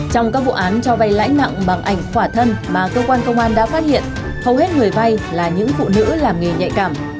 trong các vụ án cho vay lãi nặng bằng ảnh quả thân mà cơ quan công an đã phát hiện hầu hết người vay là những phụ nữ làm nghề nhạy cảm